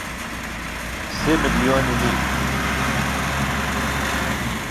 سێ ملیۆن و نیو